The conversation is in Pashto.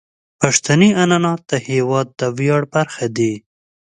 پښتني عنعنات د هیواد د ویاړ برخه دي.